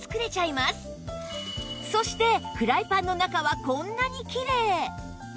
そしてフライパンの中はこんなにきれい！